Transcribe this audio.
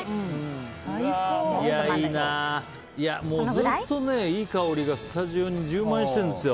ずっといい香りがスタジオに充満してるんですよ。